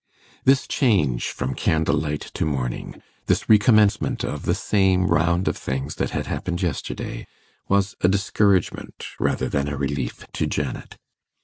This change from candle light to morning, this recommencement of the same round of things that had happened yesterday, was a discouragement rather than a relief to Janet.